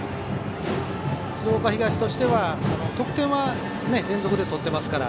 鶴岡東としては得点は連続で取ってますから。